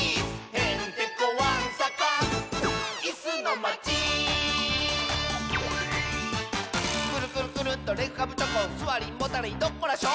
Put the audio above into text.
「へんてこわんさかいすのまち」「クルクルクルットレグカブチョコン」「スワリンモタレイドッコラショ」